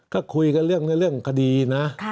ก็คุยกันเรื่องคดีนะ